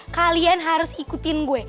kalian harus ikutin gue